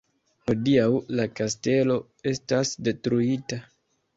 Hodiaŭ la kastelo estas detruita.